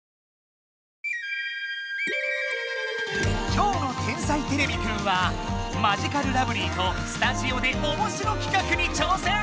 今日の「天才てれびくん」はマヂカルラブリーとスタジオでおもしろきかくに挑戦！